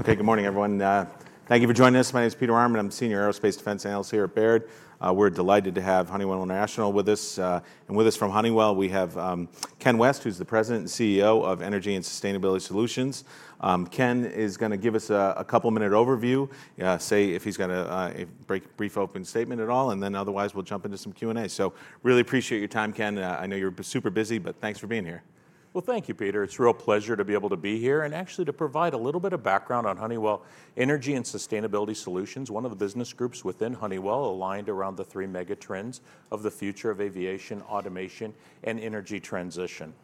Okay, good morning, everyone. Thank you for joining us. My name is Peter Arment. I'm Senior Aerospace and Defense Analyst here at Baird. We're delighted to have Honeywell International with us. And with us from Honeywell, we have Ken West, who's the President and CEO of Energy and Sustainability Solutions. Ken is going to give us a couple-minute overview, say if he's going to make a brief opening statement at all, and then otherwise we'll jump into some Q&A. So really appreciate your time, Ken. I know you're super busy, but thanks for being here. Well, thank you, Peter. It's a real pleasure to be able to be here and actually to provide a little bit of background on Honeywell Energy and Sustainability Solutions, one of the business groups within Honeywell aligned around the three mega trends of the future of aviation, automation, and energy transition.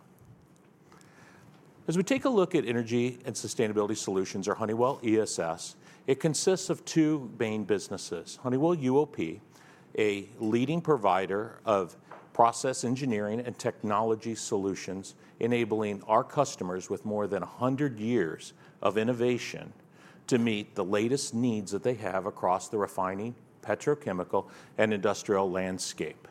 As we take a look at Energy and Sustainability Solutions, or Honeywell ESS, it consists of two main businesses: Honeywell UOP, a leading provider of process engineering and technology solutions enabling our customers with more than 100 years of innovation to meet the latest needs that they have across the refining, petrochemical, and industrial landscape.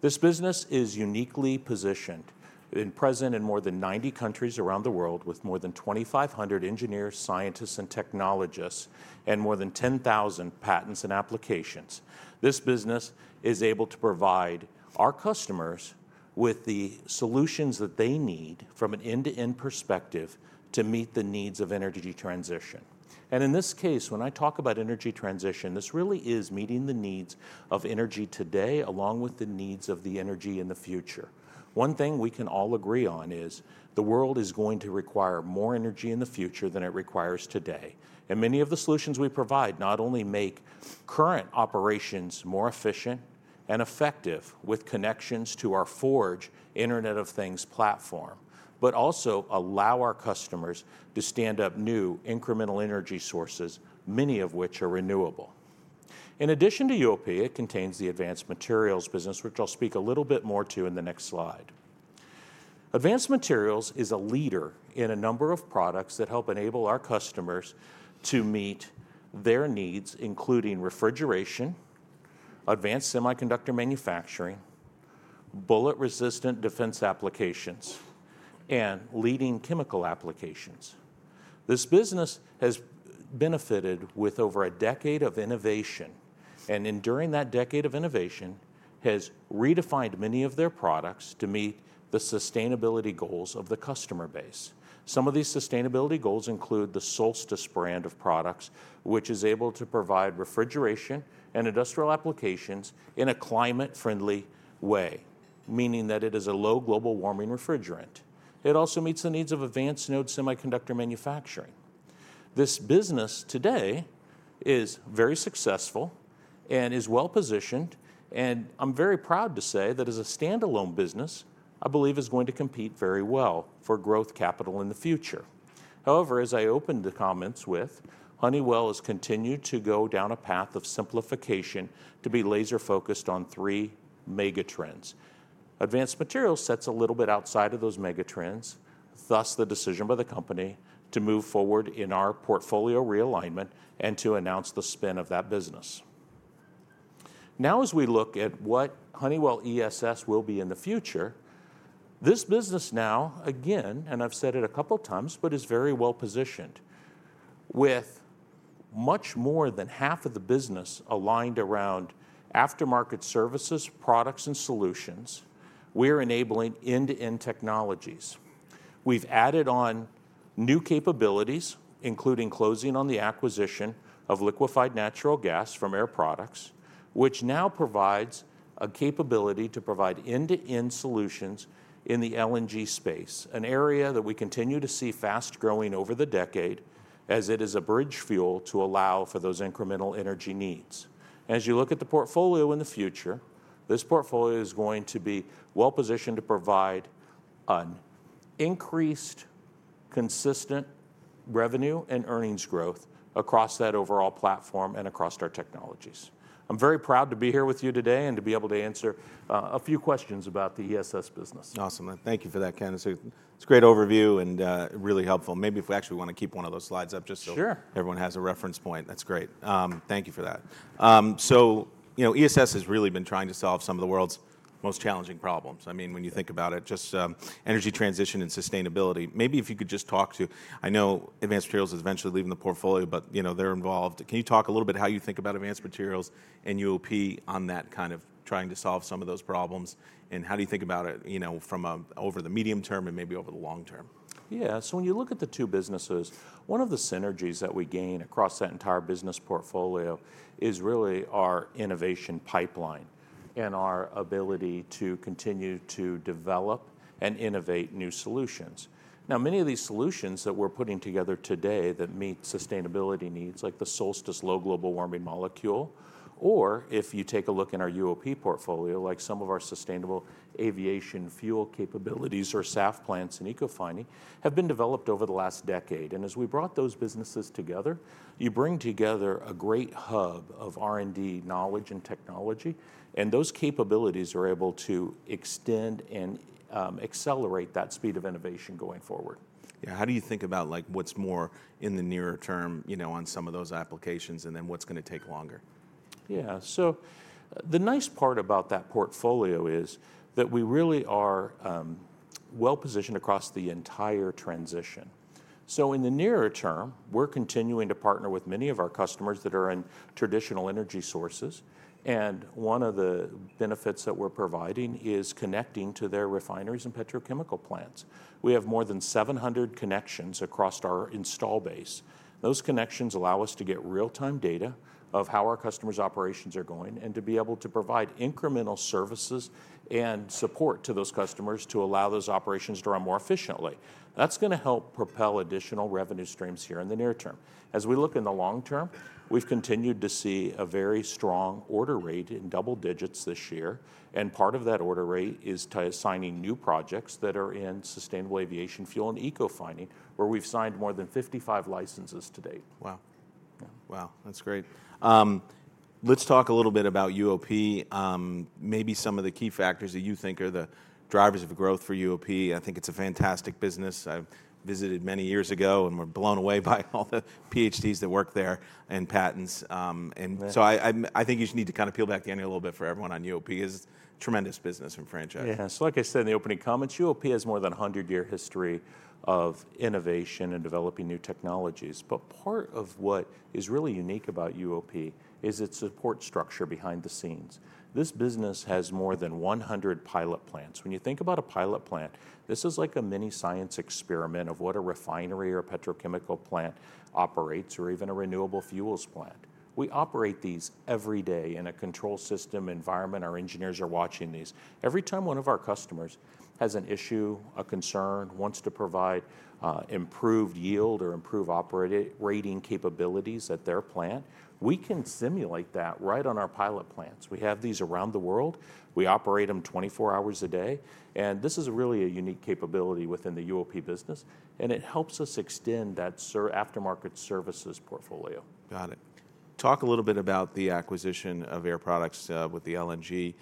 This business is uniquely positioned and present in more than 90 countries around the world with more than 2,500 engineers, scientists, and technologists, and more than 10,000 patents and applications. This business is able to provide our customers with the solutions that they need from an end-to-end perspective to meet the needs of energy transition, and in this case, when I talk about energy transition, this really is meeting the needs of energy today along with the needs of the energy in the future. One thing we can all agree on is the world is going to require more energy in the future than it requires today, and many of the solutions we provide not only make current operations more efficient and effective with connections to our Forge IoT platform, but also allow our customers to stand up new incremental energy sources, many of which are renewable. In addition to UOP, it contains the Advanced Materials business, which I'll speak a little bit more to in the next slide. Advanced Materials is a leader in a number of products that help enable our customers to meet their needs, including refrigeration, advanced semiconductor manufacturing, bullet-resistant defense applications, and leading chemical applications. This business has benefited with over a decade of innovation, and during that decade of innovation has redefined many of their products to meet the sustainability goals of the customer base. Some of these sustainability goals include the Solstice brand of products, which is able to provide refrigeration and industrial applications in a climate-friendly way, meaning that it is a low global warming refrigerant. It also meets the needs of advanced node semiconductor manufacturing. This business today is very successful and is well positioned, and I'm very proud to say that as a standalone business, I believe it's going to compete very well for growth capital in the future. However, as I opened the comments with, Honeywell has continued to go down a path of simplification to be laser-focused on three mega trends. Advanced Materials sets a little bit outside of those mega trends, thus the decision by the company to move forward in our portfolio realignment and to announce the spin of that business. Now, as we look at what Honeywell ESS will be in the future, this business now, again, and I've said it a couple of times, but is very well positioned with much more than half of the business aligned around aftermarket services, products, and solutions. We're enabling end-to-end technologies. We've added on new capabilities, including closing on the acquisition of liquefied natural gas from Air Products, which now provides a capability to provide end-to-end solutions in the LNG space, an area that we continue to see fast growing over the decade as it is a bridge fuel to allow for those incremental energy needs. As you look at the portfolio in the future, this portfolio is going to be well positioned to provide an increased consistent revenue and earnings growth across that overall platform and across our technologies. I'm very proud to be here with you today and to be able to answer a few questions about the ESS business. Awesome. Thank you for that, Ken. It's a great overview and really helpful. Maybe if we actually want to keep one of those slides up just so everyone has a reference point, that's great. Thank you for that. So ESS has really been trying to solve some of the world's most challenging problems. I mean, when you think about it, just energy transition and sustainability. Maybe if you could just talk to, I know Advanced Materials is eventually leaving the portfolio, but they're involved. Can you talk a little bit how you think about Advanced Materials and UOP on that kind of trying to solve some of those problems? And how do you think about it from over the medium term and maybe over the long term? Yeah, so when you look at the two businesses, one of the synergies that we gain across that entire business portfolio is really our innovation pipeline and our ability to continue to develop and innovate new solutions. Now, many of these solutions that we're putting together today that meet sustainability needs, like the Solstice low global warming molecule, or if you take a look in our UOP portfolio, like some of our sustainable aviation fuel capabilities or SAF plants in Ecofining, have been developed over the last decade. And as we brought those businesses together, you bring together a great hub of R&D knowledge and technology, and those capabilities are able to extend and accelerate that speed of innovation going forward. Yeah. How do you think about what's more in the near term on some of those applications and then what's going to take longer? Yeah. So the nice part about that portfolio is that we really are well positioned across the entire transition. So in the nearer term, we're continuing to partner with many of our customers that are in traditional energy sources. And one of the benefits that we're providing is connecting to their refineries and petrochemical plants. We have more than 700 connections across our installed base. Those connections allow us to get real-time data of how our customers' operations are going and to be able to provide incremental services and support to those customers to allow those operations to run more efficiently. That's going to help propel additional revenue streams here in the near term. As we look in the long term, we've continued to see a very strong order rate in double digits this year. Part of that order rate is signing new projects that are in sustainable aviation fuel and Ecofining, where we've signed more than 55 licenses to date. Wow. Wow. That's great. Let's talk a little bit about UOP, maybe some of the key factors that you think are the drivers of growth for UOP. I think it's a fantastic business. I visited many years ago and was blown away by all the PhDs that work there and patents. And so I think you just need to kind of peel back the onion a little bit for everyone on UOP because it's a tremendous business and franchise. Yeah, so like I said in the opening comments, UOP has more than a 100-year history of innovation and developing new technologies, but part of what is really unique about UOP is its support structure behind the scenes. This business has more than 100 pilot plants. When you think about a pilot plant, this is like a mini science experiment of what a refinery or a petrochemical plant operates or even a renewable fuels plant. We operate these every day in a control system environment. Our engineers are watching these. Every time one of our customers has an issue, a concern, wants to provide improved yield or improved operating rating capabilities at their plant, we can simulate that right on our pilot plants. We have these around the world. We operate them 24 hours a day, and this is really a unique capability within the UOP business. It helps us extend that aftermarket services portfolio. Got it. Talk a little bit about the acquisition of Air Products with the LNG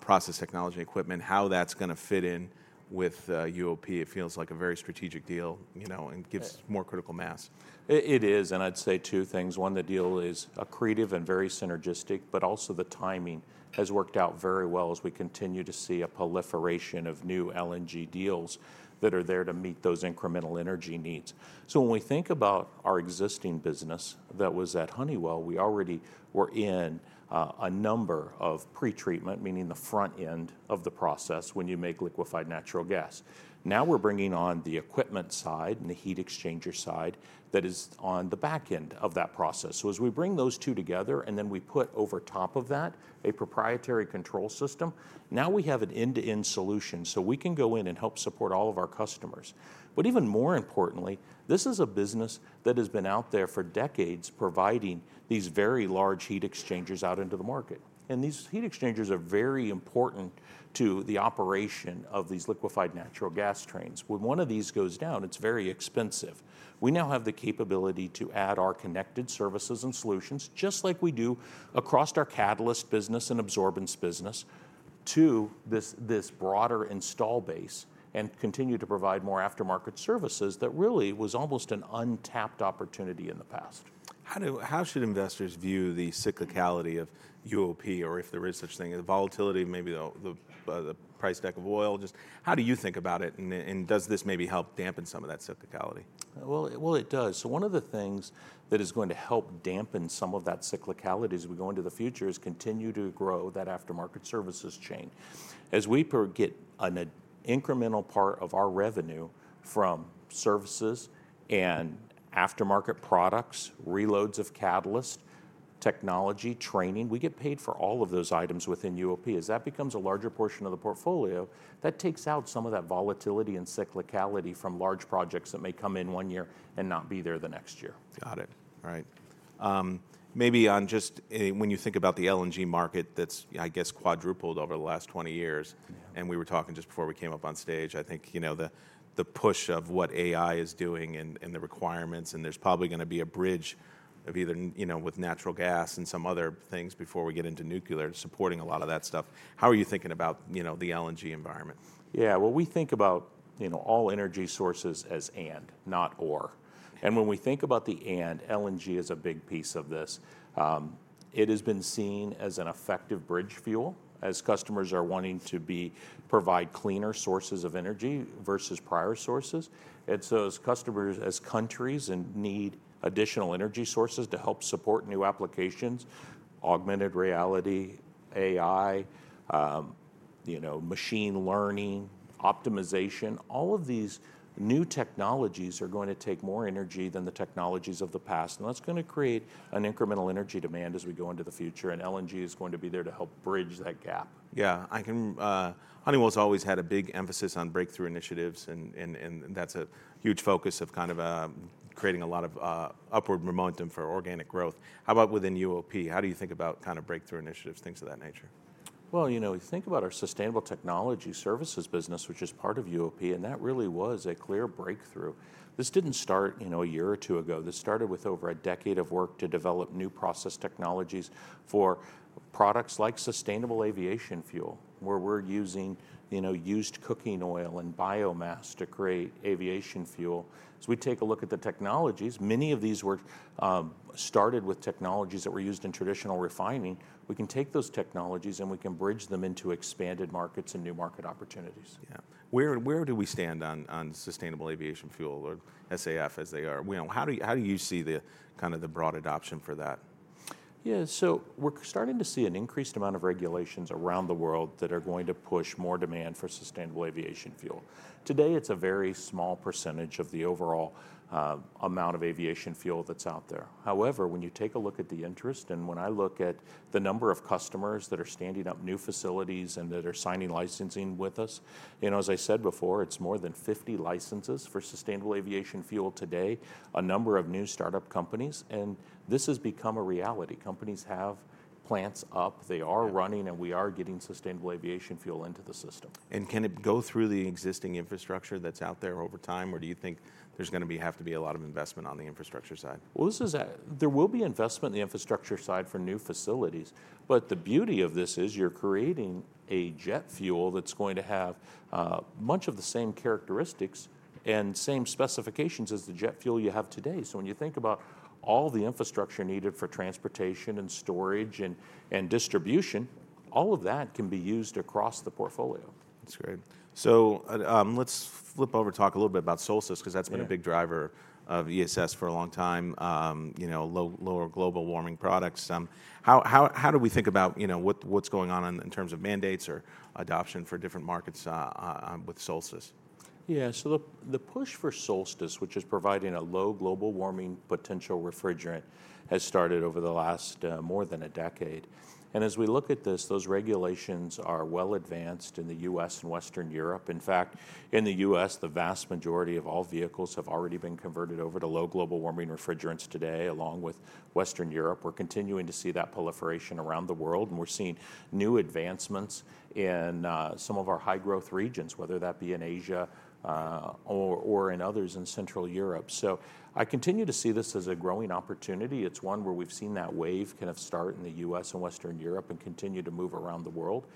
process technology equipment, how that's going to fit in with UOP. It feels like a very strategic deal and gives more critical mass. It is. And I'd say two things. One, the deal is accretive and very synergistic, but also the timing has worked out very well as we continue to see a proliferation of new LNG deals that are there to meet those incremental energy needs. So when we think about our existing business that was at Honeywell, we already were in a number of pre-treatment, meaning the front end of the process when you make liquefied natural gas. Now we're bringing on the equipment side and the heat exchanger side that is on the back end of that process. So as we bring those two together and then we put over top of that a proprietary control system, now we have an end-to-end solution. So we can go in and help support all of our customers. But even more importantly, this is a business that has been out there for decades providing these very large heat exchangers out into the market. And these heat exchangers are very important to the operation of these liquefied natural gas trains. When one of these goes down, it's very expensive. We now have the capability to add our connected services and solutions, just like we do across our catalyst business and adsorbents business, to this broader installed base and continue to provide more aftermarket services that really was almost an untapped opportunity in the past. How should investors view the cyclicality of UOP, or if there is such a thing, the volatility, maybe the price deck of oil? Just how do you think about it? And does this maybe help dampen some of that cyclicality? Well, it does. So one of the things that is going to help dampen some of that cyclicality as we go into the future is continue to grow that aftermarket services chain. As we get an incremental part of our revenue from services and aftermarket products, reloads of catalyst technology, training, we get paid for all of those items within UOP. As that becomes a larger portion of the portfolio, that takes out some of that volatility and cyclicality from large projects that may come in one year and not be there the next year. Got it. All right. Maybe on just when you think about the LNG market that's, I guess, quadrupled over the last 20 years, and we were talking just before we came up on stage, I think the push of what AI is doing and the requirements, and there's probably going to be a bridge of either with natural gas and some other things before we get into nuclear supporting a lot of that stuff. How are you thinking about the LNG environment? Yeah. Well, we think about all energy sources as and, not or. And when we think about the and, LNG is a big piece of this. It has been seen as an effective bridge fuel as customers are wanting to provide cleaner sources of energy versus prior sources. And so as customers, as countries need additional energy sources to help support new applications, augmented reality, AI, machine learning, optimization, all of these new technologies are going to take more energy than the technologies of the past. And that's going to create an incremental energy demand as we go into the future. And LNG is going to be there to help bridge that gap. Yeah. Honeywell's always had a big emphasis on breakthrough initiatives, and that's a huge focus of kind of creating a lot of upward momentum for organic growth. How about within UOP? How do you think about kind of breakthrough initiatives, things of that nature? Well, you know, we think about our sustainable technology services business, which is part of UOP, and that really was a clear breakthrough. This didn't start a year or two ago. This started with over a decade of work to develop new process technologies for products like sustainable aviation fuel, where we're using used cooking oil and biomass to create aviation fuel. As we take a look at the technologies, many of these were started with technologies that were used in traditional refining. We can take those technologies and we can bridge them into expanded markets and new market opportunities. Yeah. Where do we stand on sustainable aviation fuel or SAF as they are? How do you see the kind of the broad adoption for that? Yeah, so we're starting to see an increased amount of regulations around the world that are going to push more demand for sustainable aviation fuel. Today, it's a very small percentage of the overall amount of aviation fuel that's out there. However, when you take a look at the interest, and when I look at the number of customers that are standing up new facilities and that are signing licensing with us, as I said before, it's more than 50 licenses for sustainable aviation fuel today, a number of new startup companies, and this has become a reality. Companies have plants up. They are running, and we are getting sustainable aviation fuel into the system. Can it go through the existing infrastructure that's out there over time, or do you think there's going to have to be a lot of investment on the infrastructure side? There will be investment in the infrastructure side for new facilities. But the beauty of this is you're creating a jet fuel that's going to have much of the same characteristics and same specifications as the jet fuel you have today. So when you think about all the infrastructure needed for transportation and storage and distribution, all of that can be used across the portfolio. That's great. So let's flip over and talk a little bit about Solstice because that's been a big driver of ESS for a long time, lower global warming products. How do we think about what's going on in terms of mandates or adoption for different markets with Solstice? Yeah, so the push for Solstice, which is providing a low global warming potential refrigerant, has started over the last more than a decade, and as we look at this, those regulations are well advanced in the U.S. and Western Europe. In fact, in the U.S., the vast majority of all vehicles have already been converted over to low global warming refrigerants today, along with Western Europe. We're continuing to see that proliferation around the world, and we're seeing new advancements in some of our high-growth regions, whether that be in Asia or in others in Central Europe, so I continue to see this as a growing opportunity. It's one where we've seen that wave kind of start in the U.S. and Western Europe and continue to move around the world.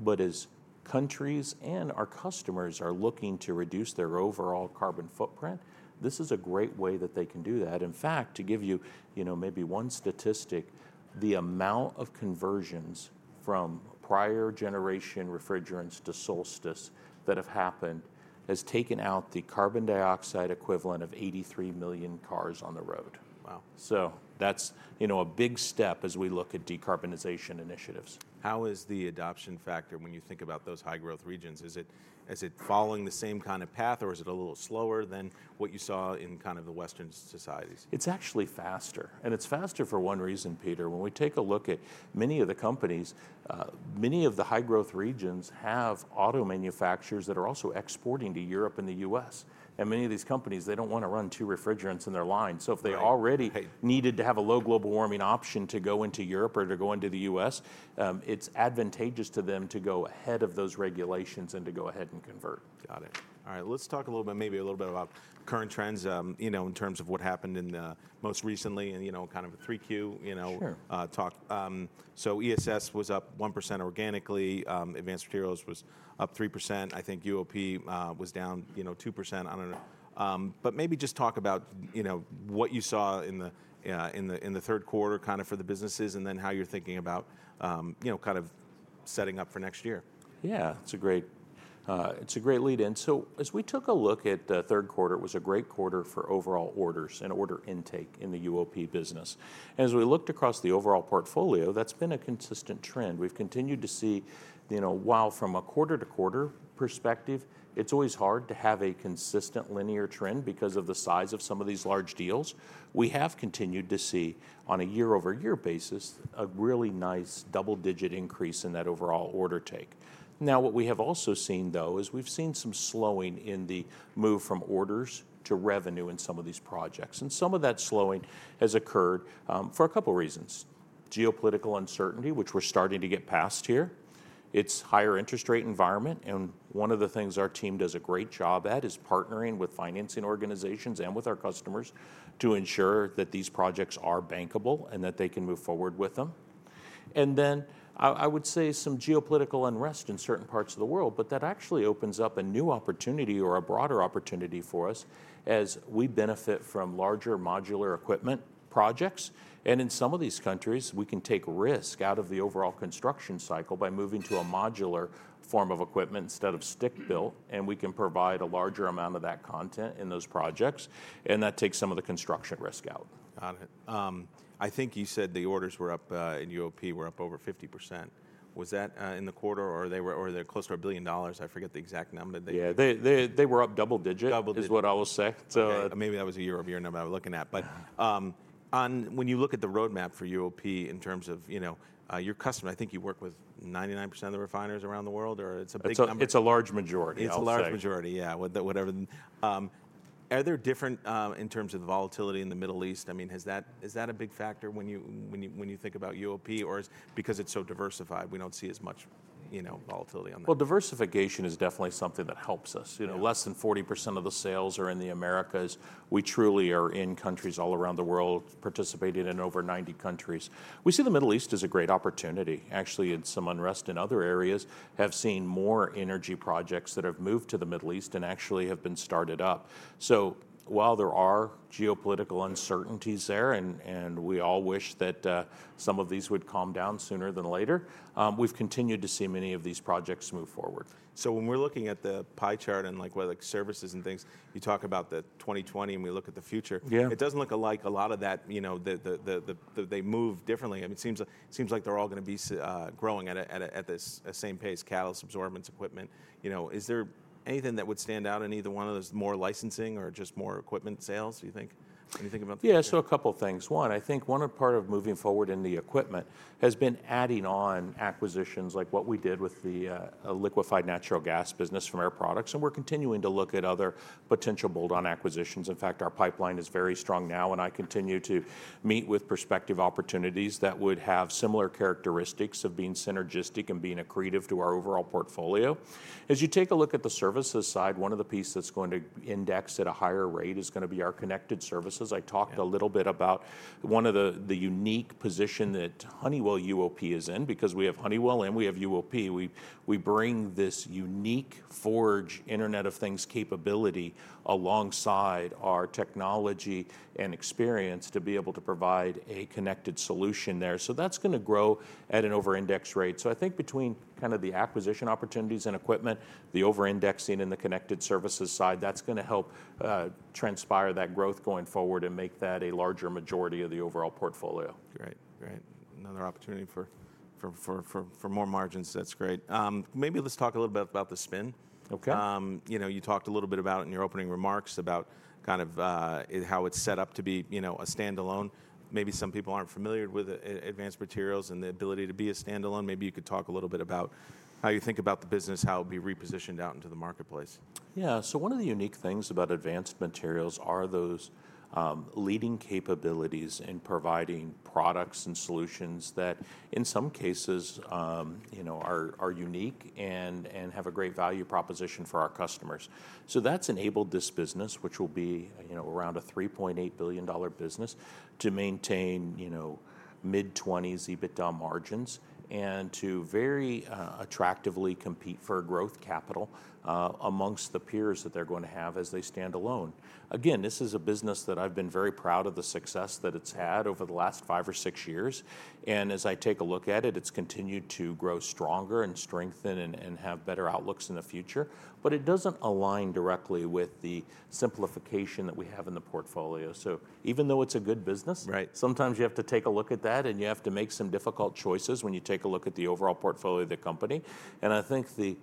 But as countries and our customers are looking to reduce their overall carbon footprint, this is a great way that they can do that. In fact, to give you maybe one statistic, the amount of conversions from prior generation refrigerants to Solstice that have happened has taken out the carbon dioxide equivalent of 83 million cars on the road. Wow. So that's a big step as we look at decarbonization initiatives. How is the adoption factor when you think about those high-growth regions? Is it following the same kind of path, or is it a little slower than what you saw in kind of the Western societies? It's actually faster, and it's faster for one reason, Peter. When we take a look at many of the companies, many of the high-growth regions have auto manufacturers that are also exporting to Europe and the U.S., and many of these companies, they don't want to run two refrigerants in their line. So if they already needed to have a low global warming option to go into Europe or to go into the U.S., it's advantageous to them to go ahead of those regulations and to go ahead and convert. Got it. All right. Let's talk a little bit, maybe a little bit about current trends in terms of what happened most recently and kind of a 3Q talk. So ESS was up 1% organically. Advanced Materials was up 3%. I think UOP was down 2%. But maybe just talk about what you saw in the third quarter kind of for the businesses and then how you're thinking about kind of setting up for next year. Yeah. It's a great lead-in. So as we took a look at the third quarter, it was a great quarter for overall orders and order intake in the UOP business. And as we looked across the overall portfolio, that's been a consistent trend. We've continued to see, while from a quarter-to-quarter perspective, it's always hard to have a consistent linear trend because of the size of some of these large deals, we have continued to see on a year-over-year basis a really nice double-digit increase in that overall order intake. Now, what we have also seen, though, is we've seen some slowing in the move from orders to revenue in some of these projects. And some of that slowing has occurred for a couple of reasons: geopolitical uncertainty, which we're starting to get past here, it's higher interest rate environment. One of the things our team does a great job at is partnering with financing organizations and with our customers to ensure that these projects are bankable and that they can move forward with them. I would say some geopolitical unrest in certain parts of the world, but that actually opens up a new opportunity or a broader opportunity for us as we benefit from larger modular equipment projects. In some of these countries, we can take risk out of the overall construction cycle by moving to a modular form of equipment instead of stick-built, and we can provide a larger amount of that content in those projects. That takes some of the construction risk out. Got it. I think you said the orders were up in UOP over 50%. Was that in the quarter, or were they close to $1 billion? I forget the exact number. Yeah. They were up double-digit, is what I will say. Maybe that was a year-over-year number I was looking at. But when you look at the roadmap for UOP in terms of your customers, I think you work with 99% of the refiners around the world, or it's a big number? It's a large majority. It's a large majority, yeah. Are there differences in terms of volatility in the Middle East? I mean, is that a big factor when you think about UOP, or is it because it's so diversified we don't see as much volatility on that? Diversification is definitely something that helps us. Less than 40% of the sales are in the Americas. We truly are in countries all around the world, participating in over 90 countries. We see the Middle East as a great opportunity. Actually, in some unrest in other areas, have seen more energy projects that have moved to the Middle East and actually have been started up. So while there are geopolitical uncertainties there, and we all wish that some of these would calm down sooner than later, we've continued to see many of these projects move forward. So when we're looking at the pie chart and like services and things, you talk about the 2020, and we look at the future. It doesn't look like a lot of that, they move differently. I mean, it seems like they're all going to be growing at the same pace: catalyst, adsorbents, equipment. Is there anything that would stand out in either one of those, more licensing or just more equipment sales, do you think? Anything about that? Yeah. So a couple of things. One, I think one part of moving forward in the equipment has been adding on acquisitions like what we did with the liquefied natural gas business from Air Products. And we're continuing to look at other potential bolt-on acquisitions. In fact, our pipeline is very strong now, and I continue to meet with prospective opportunities that would have similar characteristics of being synergistic and being accretive to our overall portfolio. As you take a look at the services side, one of the pieces that's going to index at a higher rate is going to be our connected services. I talked a little bit about one of the unique positions that Honeywell UOP is in because we have Honeywell and we have UOP. We bring this unique Forge Internet of Things capability alongside our technology and experience to be able to provide a connected solution there. So that's going to grow at an over-index rate. So I think between kind of the acquisition opportunities and equipment, the over-indexing and the connected services side, that's going to help transpire that growth going forward and make that a larger majority of the overall portfolio. Great. Great. Another opportunity for more margins. That's great. Maybe let's talk a little bit about the spin. You talked a little bit about it in your opening remarks about kind of how it's set up to be a standalone. Maybe some people aren't familiar with Advanced Materials and the ability to be a standalone. Maybe you could talk a little bit about how you think about the business, how it would be repositioned out into the marketplace. Yeah. So one of the unique things about Advanced Materials are those leading capabilities in providing products and solutions that in some cases are unique and have a great value proposition for our customers. So that's enabled this business, which will be around a $3.8 billion business, to maintain mid-20s EBITDA margins and to very attractively compete for growth capital amongst the peers that they're going to have as they stand alone. Again, this is a business that I've been very proud of the success that it's had over the last five or six years. And as I take a look at it, it's continued to grow stronger and strengthen and have better outlooks in the future. But it doesn't align directly with the simplification that we have in the portfolio. So even though it's a good business, sometimes you have to take a look at that, and you have to make some difficult choices when you take a look at the overall portfolio of the company. And I think the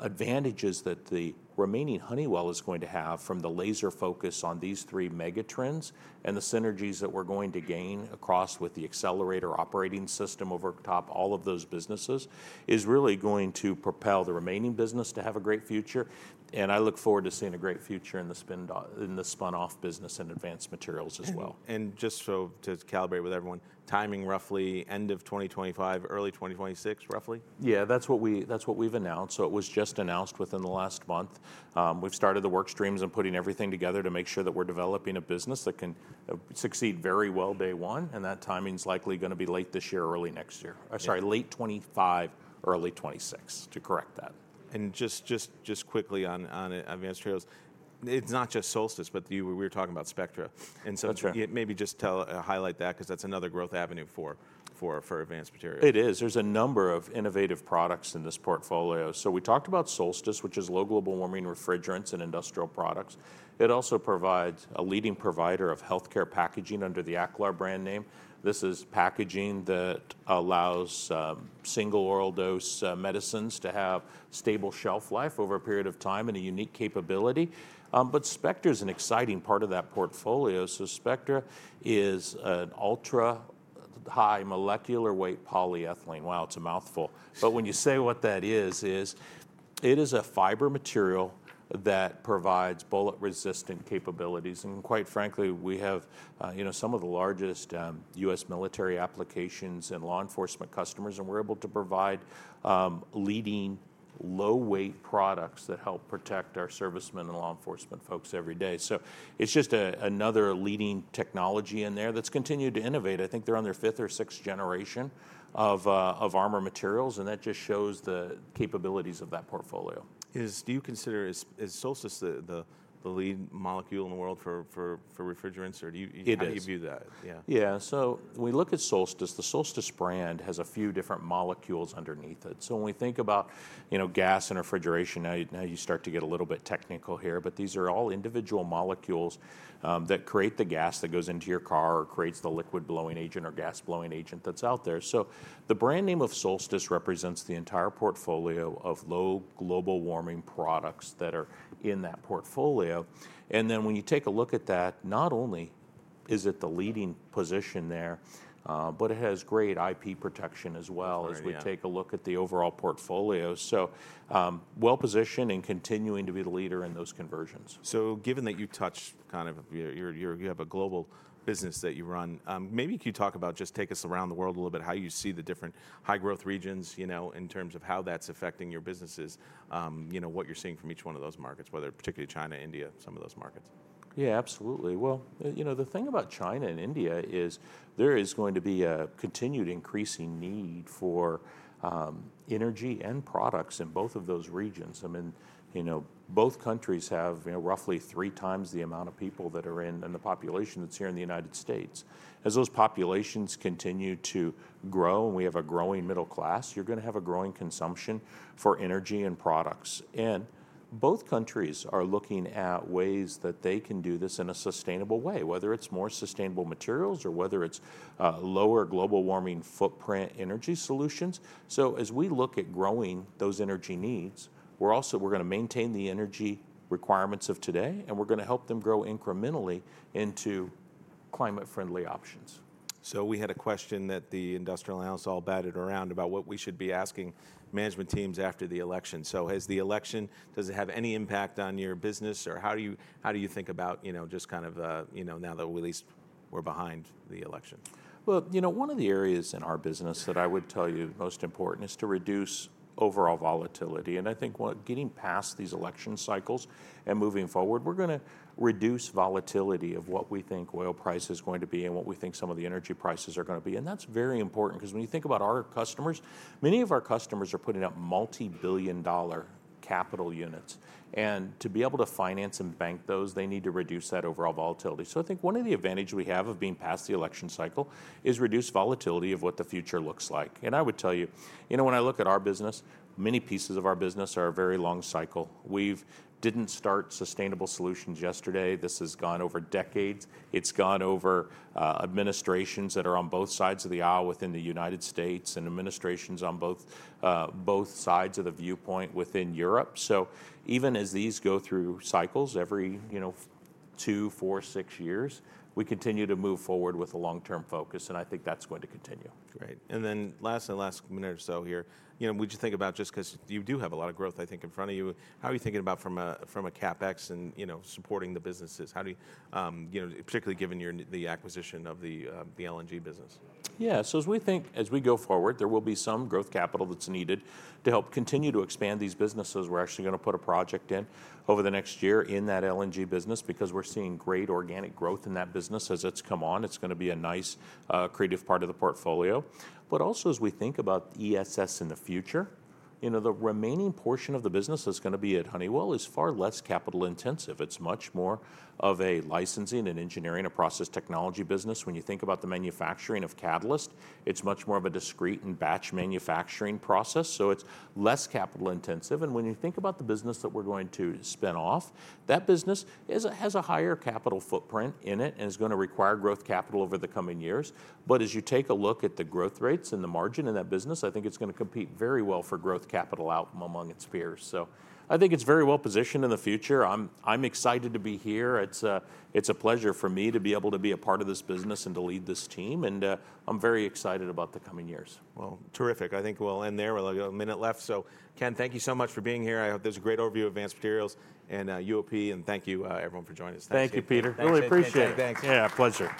advantages that the remaining Honeywell is going to have from the laser focus on these three mega trends and the synergies that we're going to gain across with the Accelerator operating system over top all of those businesses is really going to propel the remaining business to have a great future. And I look forward to seeing a great future in the spinoff business in Advanced Materials as well. Just to calibrate with everyone, timing roughly end of 2025, early 2026, roughly? Yeah. That's what we've announced, so it was just announced within the last month. We've started the work streams and putting everything together to make sure that we're developing a business that can succeed very well day one, and that timing's likely going to be late this year, early next year. Sorry, late 2025, early 2026, to correct that. Just quickly on Advanced Materials, it's not just Solstice, but we were talking about Spectra. And so maybe just highlight that because that's another growth avenue for Advanced Materials. It is. There's a number of innovative products in this portfolio. So we talked about Solstice, which is low global warming refrigerants and industrial products. It also provides a leading provider of healthcare packaging under the Aclar brand name. This is packaging that allows single oral dose medicines to have stable shelf life over a period of time and a unique capability. But Spectra is an exciting part of that portfolio. So Spectra is an ultra-high molecular weight polyethylene. Wow, it's a mouthful. But when you say what that is, it is a fiber material that provides bullet-resistant capabilities. And quite frankly, we have some of the largest U.S. military applications and law enforcement customers, and we're able to provide leading low-weight products that help protect our servicemen and law enforcement folks every day. So it's just another leading technology in there that's continued to innovate. I think they're on their 5th or 6th generation of armor materials, and that just shows the capabilities of that portfolio. Do you consider Solstice the lead molecule in the world for refrigerants, or how do you view that? It is. Yeah, so when we look at Solstice, the Solstice brand has a few different molecules underneath it. So when we think about gas and refrigeration, now you start to get a little bit technical here, but these are all individual molecules that create the gas that goes into your car or creates the liquid-blowing agent or gas-blowing agent that's out there. So the brand name of Solstice represents the entire portfolio of low global warming products that are in that portfolio, and then when you take a look at that, not only is it the leading position there, but it has great IP protection as well as we take a look at the overall portfolio, so well-positioned and continuing to be the leader in those conversions. So, given that you have a global business that you run, maybe could you talk about, just take us around the world a little bit, how you see the different high-growth regions in terms of how that's affecting your businesses, what you're seeing from each one of those markets, particularly China, India, some of those markets? Yeah, absolutely. Well, you know the thing about China and India is there is going to be a continued increasing need for energy and products in both of those regions. I mean, both countries have roughly three times the amount of people that are in the population that's here in the United States. As those populations continue to grow and we have a growing middle class, you're going to have a growing consumption for energy and products. And both countries are looking at ways that they can do this in a sustainable way, whether it's more sustainable materials or whether it's lower global warming footprint energy solutions. So as we look at growing those energy needs, we're going to maintain the energy requirements of today, and we're going to help them grow incrementally into climate-friendly options. We had a question that the industrial analysts all batted around about what we should be asking management teams after the election. Has the election, does it have any impact on your business, or how do you think about just kind of now that we at least we're behind the election? Well, you know one of the areas in our business that I would tell you most important is to reduce overall volatility. And I think getting past these election cycles and moving forward, we're going to reduce volatility of what we think oil price is going to be and what we think some of the energy prices are going to be. And that's very important because when you think about our customers, many of our customers are putting up multi-billion-dollar capital units. And to be able to finance and bank those, they need to reduce that overall volatility. So I think one of the advantages we have of being past the election cycle is reduced volatility of what the future looks like. And I would tell you, you know when I look at our business, many pieces of our business are a very long cycle. We didn't start sustainable solutions yesterday. This has gone over decades. It's gone over administrations that are on both sides of the aisle within the United States and administrations on both sides of the viewpoint within Europe. So even as these go through cycles every two, four, six years, we continue to move forward with a long-term focus, and I think that's going to continue. Great. And then lastly, last minute or so here, you know, would you think about just because you do have a lot of growth, I think, in front of you, how are you thinking about from a CapEx and supporting the businesses? How do you, particularly given the acquisition of the LNG business? Yeah. So as we think, as we go forward, there will be some growth capital that's needed to help continue to expand these businesses. We're actually going to put a project in over the next year in that LNG business because we're seeing great organic growth in that business as it's come on. It's going to be a nice accretive part of the portfolio. But also as we think about ESS in the future, you know the remaining portion of the business that's going to be at Honeywell is far less capital intensive. It's much more of a licensing and engineering and process technology business. When you think about the manufacturing of catalyst, it's much more of a discrete and batch manufacturing process. So it's less capital intensive. And when you think about the business that we're going to spin off, that business has a higher capital footprint in it and is going to require growth capital over the coming years. But as you take a look at the growth rates and the margin in that business, I think it's going to compete very well for growth capital out among its peers. So I think it's very well positioned in the future. I'm excited to be here. It's a pleasure for me to be able to be a part of this business and to lead this team. And I'm very excited about the coming years. Terrific. I think we'll end there. We'll have a minute left. Ken, thank you so much for being here. I hope there's a great overview of Advanced Materials and UOP, and thank you everyone for joining us. Thank you, Peter. Really appreciate it. Thanks. Yeah, a pleasure.